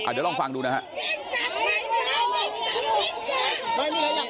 เดี๋ยวลองฟังดูนะฮะ